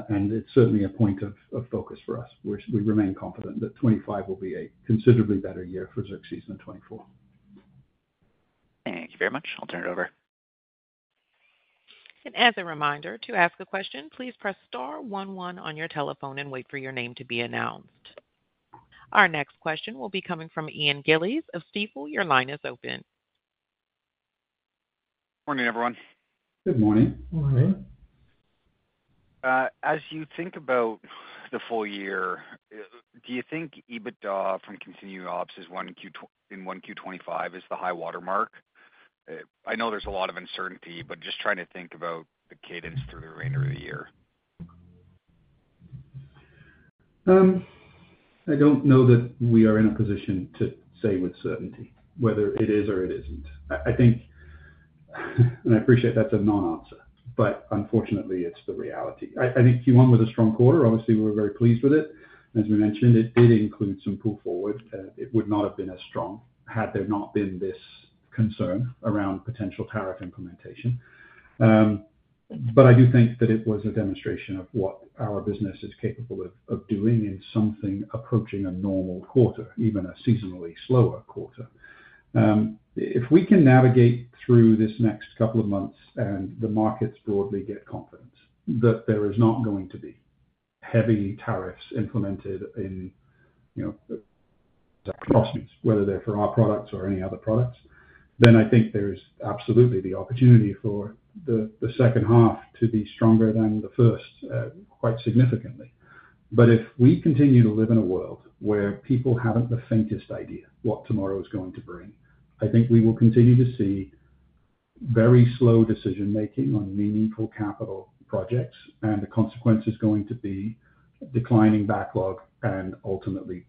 [SPEAKER 3] and it is certainly a point of focus for us. We remain confident that 2025 will be a considerably better year for Xerxes than 2024.
[SPEAKER 6] Thank you very much. I will turn it over.
[SPEAKER 1] As a reminder, to ask a question, please press star one one on your telephone and wait for your name to be announced. Our next question will be coming from Ian Gillies of Stifel. Your line is open.
[SPEAKER 7] Morning, everyone.
[SPEAKER 3] Good morning.
[SPEAKER 4] Morning.
[SPEAKER 7] As you think about the full year, do you think EBITDA from continuing ops in 1Q 2025 is the high watermark? I know there's a lot of uncertainty, but just trying to think about the cadence through the remainder of the year.
[SPEAKER 3] I don't know that we are in a position to say with certainty whether it is or it isn't. I think, and I appreciate that's a non-answer, but unfortunately, it's the reality. I think Q1 was a strong quarter. Obviously, we're very pleased with it. As we mentioned, it did include some pull forward. It would not have been as strong had there not been this concern around potential tariff implementation. I do think that it was a demonstration of what our business is capable of doing in something approaching a normal quarter, even a seasonally slower quarter. If we can navigate through this next couple of months and the markets broadly get confidence that there is not going to be heavy tariffs implemented in cross-use, whether they're for our products or any other products, I think there is absolutely the opportunity for the second half to be stronger than the first quite significantly. If we continue to live in a world where people haven't the faintest idea what tomorrow is going to bring, I think we will continue to see very slow decision-making on meaningful capital projects, and the consequence is going to be declining backlog and ultimately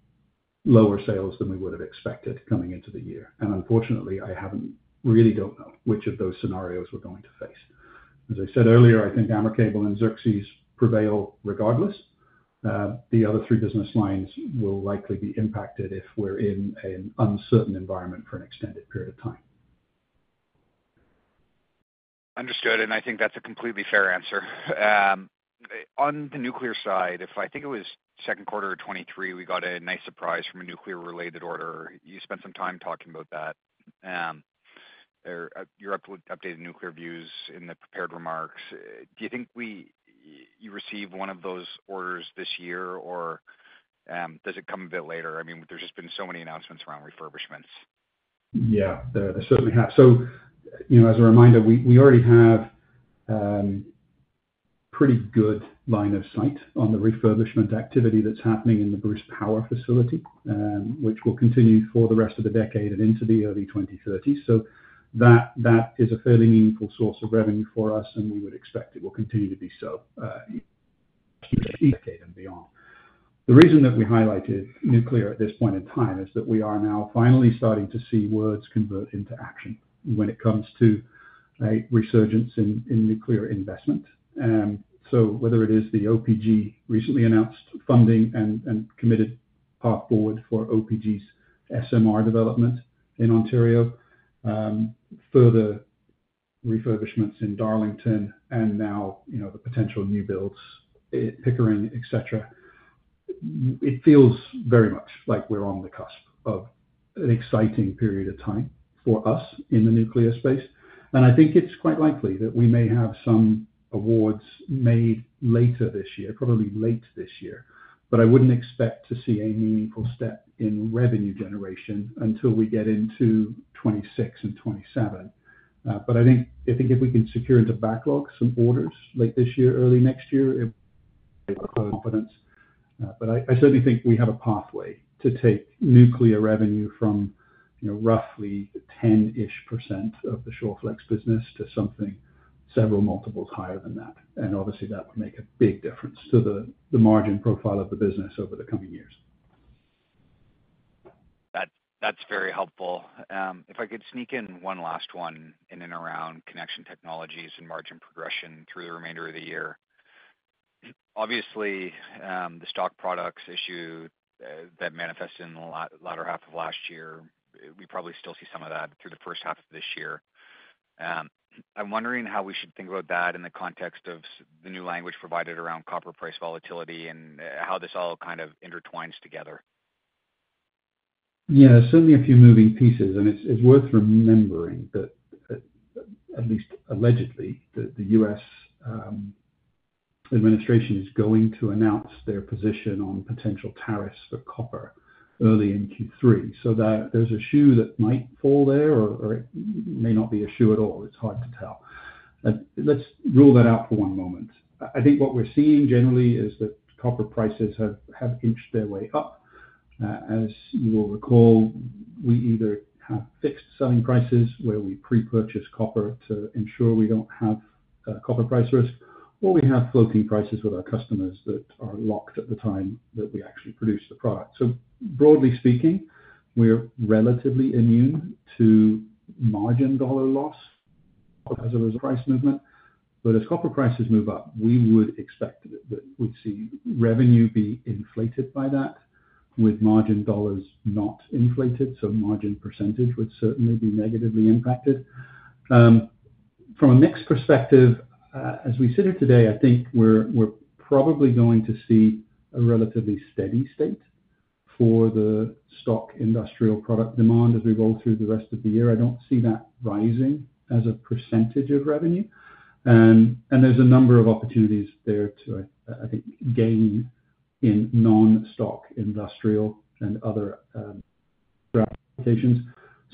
[SPEAKER 3] lower sales than we would have expected coming into the year. Unfortunately, I really don't know which of those scenarios we're going to face. As I said earlier, I think AmerCable and Xerxes prevail regardless. The other three business lines will likely be impacted if we're in an uncertain environment for an extended period of time.
[SPEAKER 7] Understood. I think that's a completely fair answer. On the nuclear side, if I think it was second quarter of 2023, we got a nice surprise from a nuclear-related order. You spent some time talking about that. Your updated nuclear views in the prepared remarks. Do you think you receive one of those orders this year, or does it come a bit later? I mean, there's just been so many announcements around refurbishments.
[SPEAKER 3] Yeah. Certainly have. As a reminder, we already have a pretty good line of sight on the refurbishment activity that's happening in the Bruce Power facility, which will continue for the rest of the decade and into the early 2030s. That is a fairly meaningful source of revenue for us, and we would expect it will continue to be so in the decade and beyond. The reason that we highlighted nuclear at this point in time is that we are now finally starting to see words convert into action when it comes to a resurgence in nuclear investment. Whether it is the OPG recently announced funding and committed path forward for OPG's SMR development in Ontario, further refurbishments in Darlington, and now the potential new builds, Pickering, etc., it feels very much like we're on the cusp of an exciting period of time for us in the nuclear space. I think it's quite likely that we may have some awards made later this year, probably late this year, but I wouldn't expect to see a meaningful step in revenue generation until we get into 2026 and 2027. I think if we can secure into backlog some orders late this year, early next year, it will create confidence. I certainly think we have a pathway to take nuclear revenue from roughly 10% of the Shawflex business to something several multiples higher than that. Obviously, that would make a big difference to the margin profile of the business over the coming years.
[SPEAKER 7] That's very helpful. If I could sneak in one last one in and around connection technologies and margin progression through the remainder of the year. Obviously, the stock products issue that manifested in the latter half of last year, we probably still see some of that through the first half of this year. I'm wondering how we should think about that in the context of the new language provided around copper price volatility and how this all kind of intertwines together.
[SPEAKER 3] Yeah. Certainly, a few moving pieces. It's worth remembering that, at least allegedly, the U.S. administration is going to announce their position on potential tariffs for copper early in Q3. There is a shoe that might fall there, or it may not be a shoe at all. It's hard to tell. Let's rule that out for one moment. I think what we're seeing generally is that copper prices have inched their way up. As you will recall, we either have fixed selling prices where we pre-purchase copper to ensure we don't have copper price risk, or we have floating prices with our customers that are locked at the time that we actually produce the product. Broadly speaking, we're relatively immune to margin dollar loss as a result of price movement. As copper prices move up, we would expect that we'd see revenue be inflated by that, with margin dollars not inflated. Margin percentage would certainly be negatively impacted. From a mix perspective, as we sit here today, I think we're probably going to see a relatively steady state for the stock industrial product demand as we roll through the rest of the year. I don't see that rising as a percentage of revenue. There are a number of opportunities there to, I think, gain in non-stock industrial and other applications.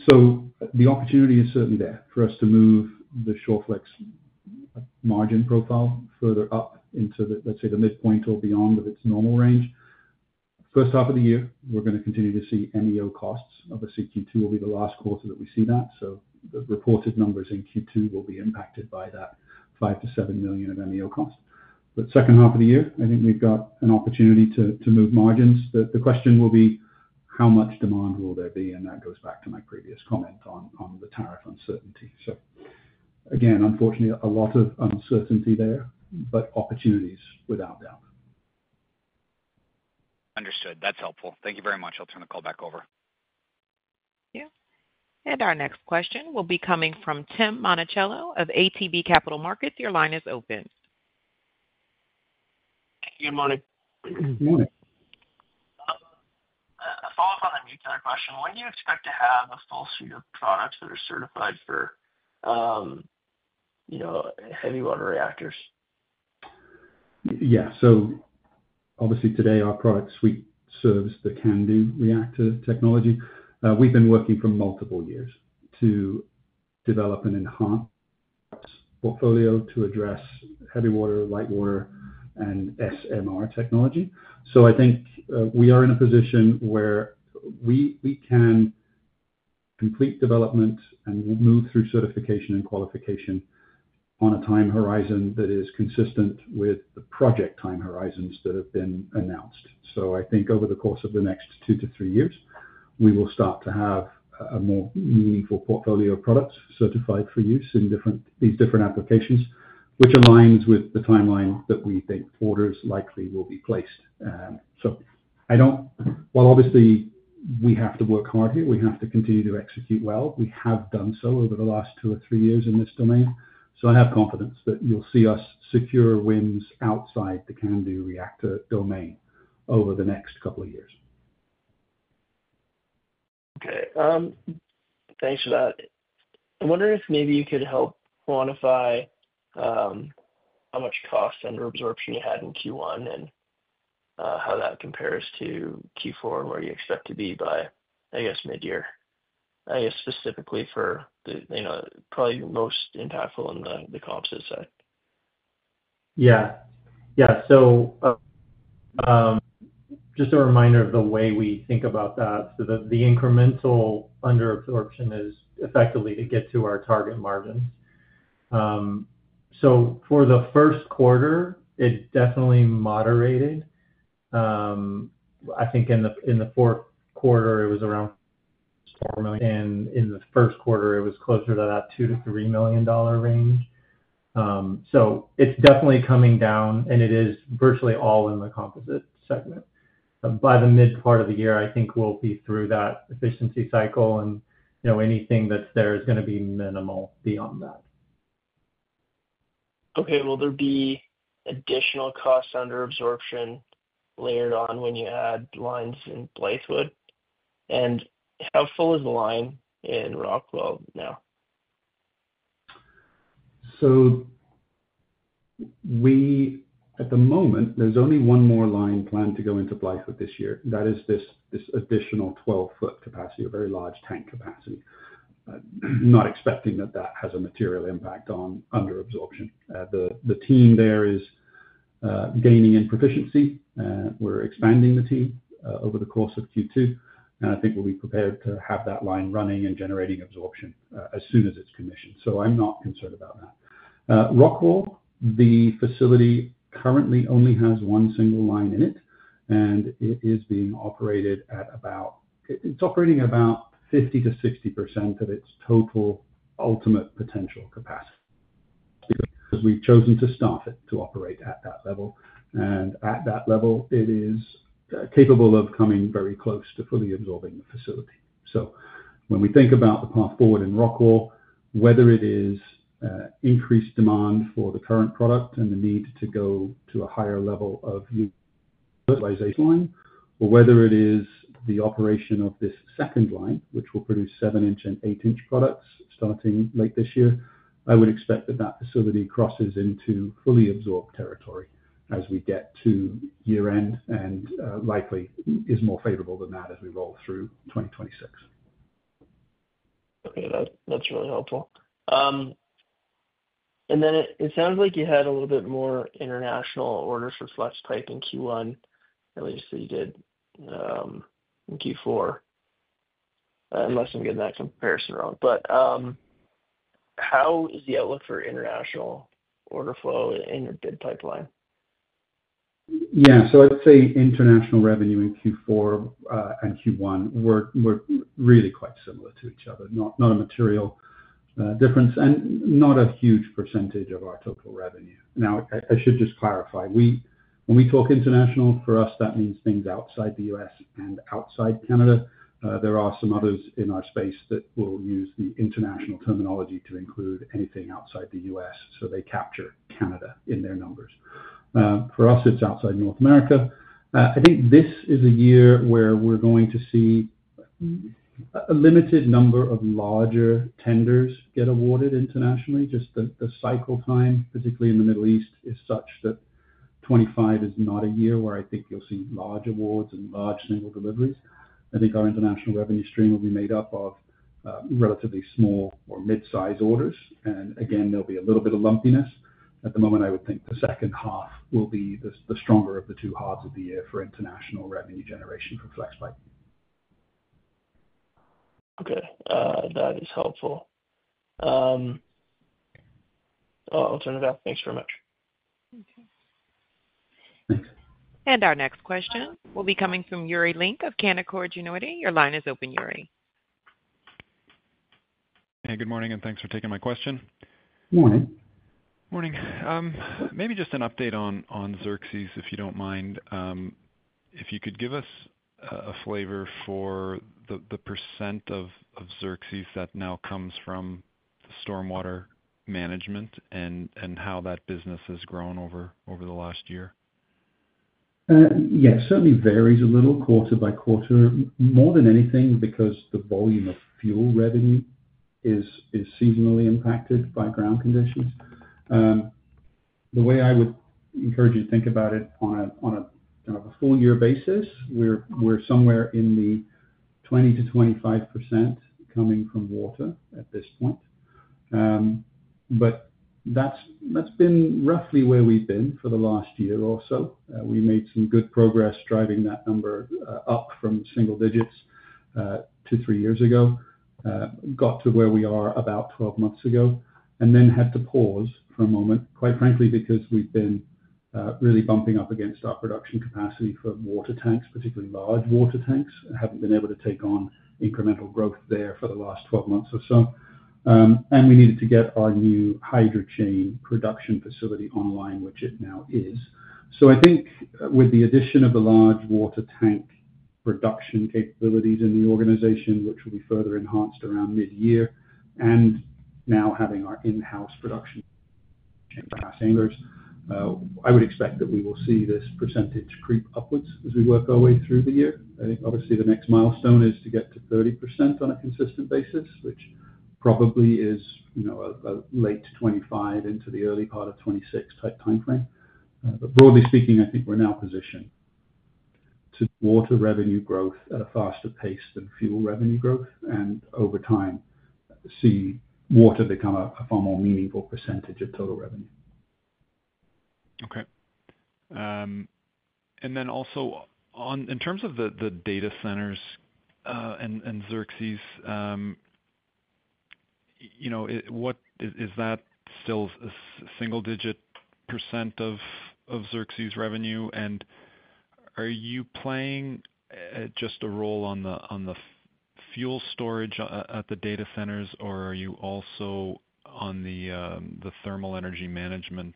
[SPEAKER 3] The opportunity is certainly there for us to move the Shawflex margin profile further up into, let's say, the midpoint or beyond of its normal range. First half of the year, we're going to continue to see MEO costs, and Q2 will be the last quarter that we see that. The reported numbers in Q2 will be impacted by that 5 million-7 million of MEO cost. Second half of the year, I think we've got an opportunity to move margins. The question will be how much demand will there be, and that goes back to my previous comment on the tariff uncertainty. Again, unfortunately, a lot of uncertainty there, but opportunities without doubt.
[SPEAKER 7] Understood. That's helpful. Thank you very much. I'll turn the call back over.
[SPEAKER 1] Thank you. Our next question will be coming from Tim Monachello of ATB Capital Markets. Your line is open.
[SPEAKER 8] Good morning.
[SPEAKER 3] Good morning.
[SPEAKER 8] A follow-up on a mutant question. When do you expect to have a full suite of products that are certified for heavy water reactors?
[SPEAKER 3] Yeah. Obviously, today, our product suite serves the CANDU reactor technology. We've been working for multiple years to develop and enhance our portfolio to address heavy water, light water, and SMR technology. I think we are in a position where we can complete development and move through certification and qualification on a time horizon that is consistent with the project time horizons that have been announced. I think over the course of the next two to three years, we will start to have a more meaningful portfolio of products certified for use in these different applications, which aligns with the timeline that we think orders likely will be placed. While obviously we have to work hard here, we have to continue to execute well. We have done so over the last two or three years in this domain. I have confidence that you'll see us secure wins outside the CANDU reactor domain over the next couple of years.
[SPEAKER 8] Okay. Thanks for that. I'm wondering if maybe you could help quantify how much cost and reabsorption you had in Q1 and how that compares to Q4 and where you expect to be by, I guess, mid-year, I guess, specifically for probably the most impactful on the comps side.
[SPEAKER 4] Yeah. Yeah. Just a reminder of the way we think about that. The incremental underabsorption is effectively to get to our target margins. For the first quarter, it definitely moderated. I think in the fourth quarter, it was around 4 million. In the first quarter, it was closer to that 2-3 million dollar range. It is definitely coming down, and it is virtually all in the composite segment. By the mid part of the year, I think we'll be through that efficiency cycle, and anything that's there is going to be minimal beyond that.
[SPEAKER 8] Okay. Will there be additional cost underabsorption layered on when you add lines in Blythewood? And how full is the line in Rockwell now?
[SPEAKER 3] At the moment, there's only one more line planned to go into Blythewood this year. That is this additional 12-foot capacity, a very large tank capacity. I'm not expecting that that has a material impact on underabsorption. The team there is gaining in proficiency. We're expanding the team over the course of Q2, and I think we'll be prepared to have that line running and generating absorption as soon as it's commissioned. I'm not concerned about that. Rockwell, the facility currently only has one single line in it, and it is being operated at about 50%-60% of its total ultimate potential capacity because we've chosen to staff it to operate at that level. At that level, it is capable of coming very close to fully absorbing the facility. When we think about the path forward in Rockwell, whether it is increased demand for the current product and the need to go to a higher level of utilization line, or whether it is the operation of this second line, which will produce 7-inch and 8-inch products starting late this year, I would expect that that facility crosses into fully absorbed territory as we get to year-end and likely is more favorable than that as we roll through 2026.
[SPEAKER 8] Okay. That's really helpful. It sounds like you had a little bit more international orders for Flexpipe in Q1, at least than you did in Q4, unless I'm getting that comparison wrong. How is the outlook for international order flow in the bid pipeline?
[SPEAKER 3] Yeah. I'd say international revenue in Q4 and Q1 were really quite similar to each other. Not a material difference and not a huge percentage of our total revenue. Now, I should just clarify. When we talk international, for us, that means things outside the U.S. and outside Canada. There are some others in our space that will use the international terminology to include anything outside the U.S., so they capture Canada in their numbers. For us, it's outside North America. I think this is a year where we're going to see a limited number of larger tenders get awarded internationally. Just the cycle time, particularly in the Middle East, is such that 2025 is not a year where I think you'll see large awards and large single deliveries. I think our international revenue stream will be made up of relatively small or mid-size orders. Again, there'll be a little bit of lumpiness. At the moment, I would think the second half will be the stronger of the two halves of the year for international revenue generation for Flexpipe.
[SPEAKER 8] Okay. That is helpful. I'll turn it back. Thanks very much.
[SPEAKER 1] Thanks. Our next question will be coming from Yuri Lynk of Canaccord Genuity. Your line is open, Yuri.
[SPEAKER 9] Hey, good morning, and thanks for taking my question.
[SPEAKER 3] Good morning.
[SPEAKER 9] Morning. Maybe just an update on Xerxes, if you don't mind. If you could give us a flavor for the percent of Xerxes that now comes from the stormwater management and how that business has grown over the last year.
[SPEAKER 3] Yeah. It certainly varies a little quarter by quarter, more than anything because the volume of fuel revenue is seasonally impacted by ground conditions. The way I would encourage you to think about it on a kind of a full-year basis, we're somewhere in the 20%-25% coming from water at this point. That's been roughly where we've been for the last year or so. We made some good progress driving that number up from single digits two to three years ago, got to where we are about 12 months ago, and then had to pause for a moment, quite frankly, because we've been really bumping up against our production capacity for water tanks, particularly large water tanks. Haven't been able to take on incremental growth there for the last 12 months or so. We needed to get our new hydrochain production facility online, which it now is. I think with the addition of the large water tank production capabilities in the organization, which will be further enhanced around mid-year, and now having our in-house production for our hangers, I would expect that we will see this percentage creep upwards as we work our way through the year. Obviously, the next milestone is to get to 30% on a consistent basis, which probably is a late 2025 into the early part of 2026 type timeframe. Broadly speaking, I think we're now positioned to water revenue growth at a faster pace than fuel revenue growth and over time see water become a far more meaningful percentage of total revenue.
[SPEAKER 9] Okay. In terms of the data centers and Xerxes, is that still a single-digit percent of Xerxes revenue? Are you playing just a role on the fuel storage at the data centers, or are you also on the thermal energy management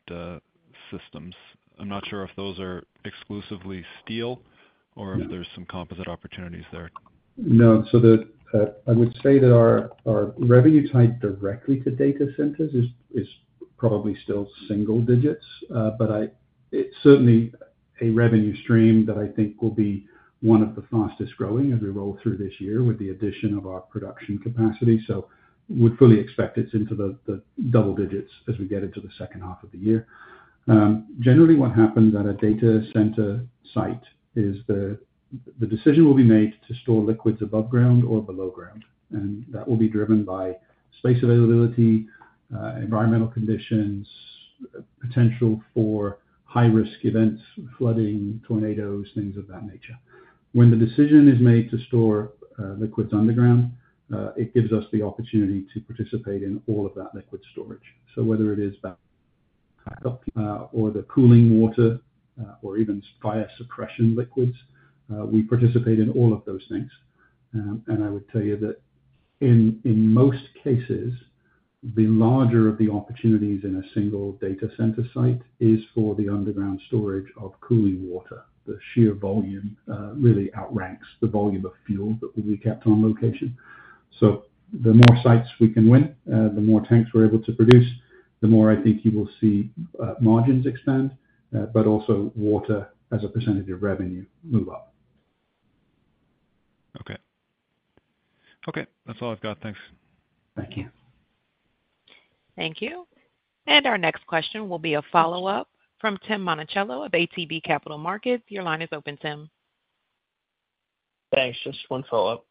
[SPEAKER 9] systems? I'm not sure if those are exclusively steel or if there's some composite opportunities there.
[SPEAKER 3] No. I would say that our revenue tied directly to data centers is probably still single digits, but it's certainly a revenue stream that I think will be one of the fastest growing as we roll through this year with the addition of our production capacity. We'd fully expect it's into the double digits as we get into the second half of the year. Generally, what happens at a data center site is the decision will be made to store liquids above ground or below ground. That will be driven by space availability, environmental conditions, potential for high-risk events, flooding, tornadoes, things of that nature. When the decision is made to store liquids underground, it gives us the opportunity to participate in all of that liquid storage. Whether it is backup or the cooling water or even fire suppression liquids, we participate in all of those things. I would tell you that in most cases, the larger of the opportunities in a single data center site is for the underground storage of cooling water. The sheer volume really outranks the volume of fuel that will be kept on location. The more sites we can win, the more tanks we are able to produce, the more I think you will see margins expand, but also water as a percentage of revenue move up.
[SPEAKER 9] Okay. Okay. That is all I have got. Thanks.
[SPEAKER 3] Thank you.
[SPEAKER 1] Thank you. Our next question will be a follow-up from Tim Monachello of ATB Capital Markets. Your line is open, Tim.
[SPEAKER 8] Thanks. Just one follow-up.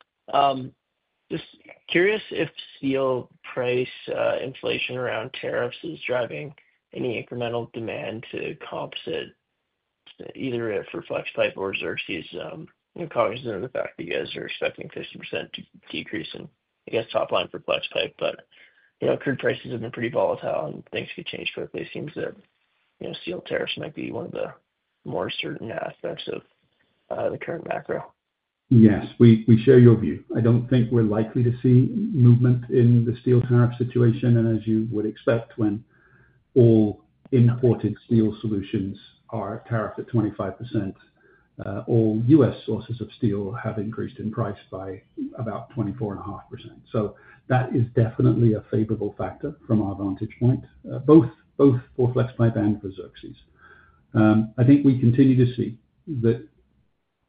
[SPEAKER 8] Just curious if steel price inflation around tariffs is driving any incremental demand to comps either for Flexpipe or Xerxes, in the fact that you guys are expecting a 50% decrease in, I guess, top line for Flexpipe. But crude prices have been pretty volatile, and things could change quickly. It seems that steel tariffs might be one of the more certain aspects of the current macro.
[SPEAKER 3] Yes. We share your view. I do not think we are likely to see movement in the steel tariff situation. As you would expect, when all imported steel solutions are tariffed at 25%, all U.S. sources of steel have increased in price by about 24.5%. That is definitely a favorable factor from our vantage point, both for Flexpipe and for Xerxes. I think we continue to see that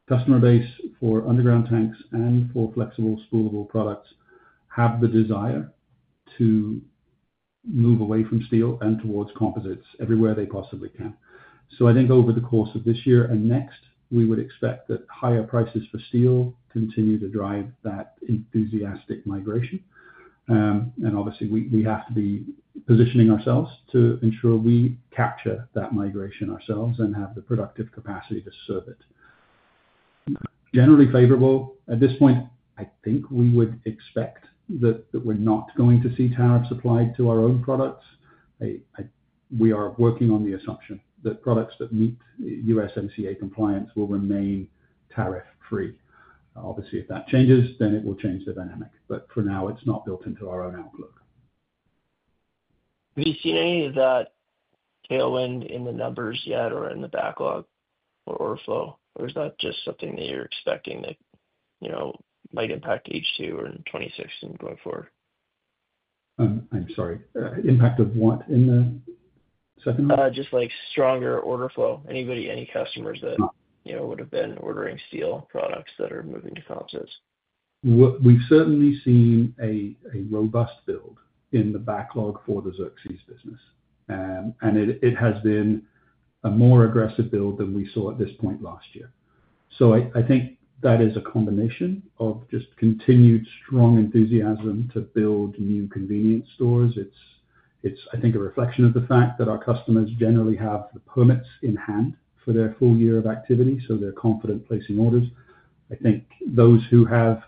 [SPEAKER 3] customer base for underground tanks and for flexible spoolable products have the desire to move away from steel and towards composites everywhere they possibly can. I think over the course of this year and next, we would expect that higher prices for steel continue to drive that enthusiastic migration. Obviously, we have to be positioning ourselves to ensure we capture that migration ourselves and have the productive capacity to serve it. Generally favorable. At this point, I think we would expect that we're not going to see tariffs applied to our own products. We are working on the assumption that products that meet USMCA compliance will remain tariff-free. Obviously, if that changes, then it will change the dynamic. For now, it's not built into our own outlook.
[SPEAKER 8] Have you seen any of that tailwind in the numbers yet or in the backlog or order flow? Or is that just something that you're expecting that might impact H2 or in 2026 and going forward?
[SPEAKER 3] I'm sorry. Impact of what in the second half?
[SPEAKER 8] Just like stronger order flow. Anybody, any customers that would have been ordering steel products that are moving to composites?
[SPEAKER 3] We've certainly seen a robust build in the backlog for the Xerxes business. It has been a more aggressive build than we saw at this point last year. I think that is a combination of just continued strong enthusiasm to build new convenience stores. It's, I think, a reflection of the fact that our customers generally have the permits in hand for their full year of activity, so they're confident placing orders. I think those who have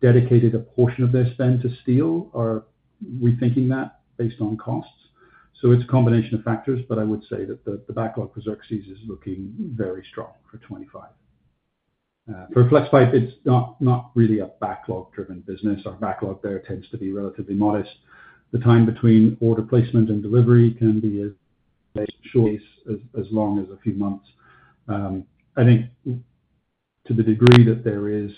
[SPEAKER 3] dedicated a portion of their spend to steel are rethinking that based on costs. It is a combination of factors, but I would say that the backlog for Xerxes is looking very strong for 2025. For Flexpipe, it is not really a backlog-driven business. Our backlog there tends to be relatively modest. The time between order placement and delivery can be as short as or as long as a few months. I think to the degree that there is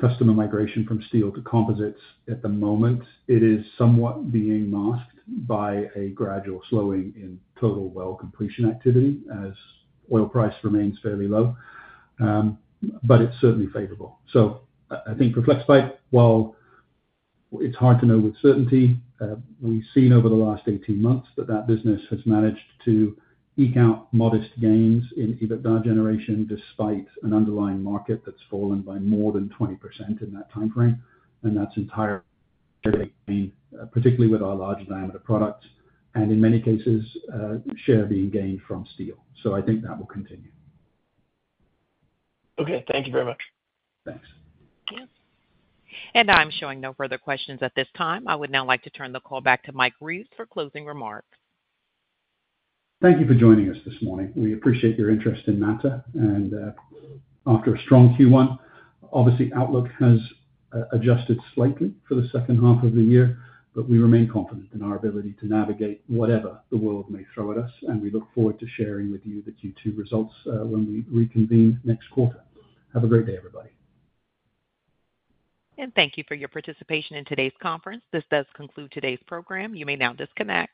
[SPEAKER 3] customer migration from steel to composites at the moment, it is somewhat being masked by a gradual slowing in total well completion activity as oil price remains fairly low, but it is certainly favorable. I think for Flexpipe, while it's hard to know with certainty, we've seen over the last 18 months that that business has managed to eke out modest gains in EBITDA generation despite an underlying market that's fallen by more than 20% in that timeframe. That's entirely gain, particularly with our large diameter products and in many cases, share being gained from steel. I think that will continue.
[SPEAKER 8] Okay. Thank you very much.
[SPEAKER 3] Thanks.
[SPEAKER 1] Thank you. I'm showing no further questions at this time. I would now like to turn the call back to Mike Reeves for closing remarks.
[SPEAKER 3] Thank you for joining us this morning. We appreciate your interest in Mattr. After a strong Q1, obviously, outlook has adjusted slightly for the second half of the year, but we remain confident in our ability to navigate whatever the world may throw at us. We look forward to sharing with you the Q2 results when we reconvene next quarter. Have a great day, everybody.
[SPEAKER 1] Thank you for your participation in today's conference. This does conclude today's program. You may now disconnect.